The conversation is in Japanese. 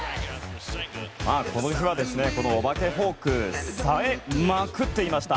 この日は、お化けフォークさえまくっていました。